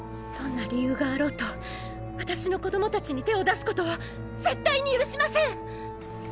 どんな理由があろうと私の子ども達に手を出すことは絶対に許しません！